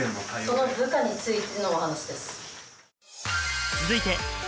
その部下についてのお話です。